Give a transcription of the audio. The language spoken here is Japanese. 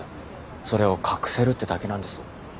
それを隠せるってだけなんです。